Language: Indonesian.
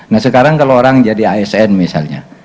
nah sekarang kalau orang jadi asn misalnya